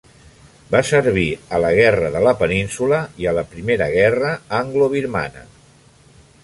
Va servir a la Guerra de la Península i a la primera guerra anglo-birmana.